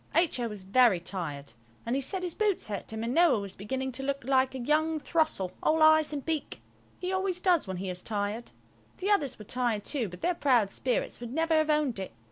H.O. was very tired, and he said his boots hurt him; and Noël was beginning to look like a young throstle–all eyes and beak. He always does when he is tired. The others were tired too, but their proud spirits would never have owned it.